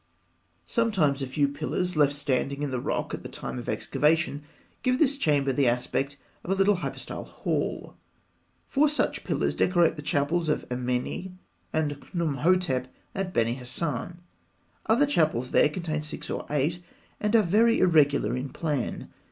Sometimes a few pillars, left standing in the rock at the time of excavation, give this chamber the aspect of a little hypostyle hall. Four such pillars decorate the chapels of Ameni and Khnûmhotep at Beni Hasan (fig. 153). Other chapels there contain six or eight, and are very irregular in plan.